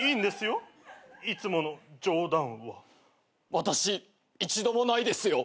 私一度もないですよ。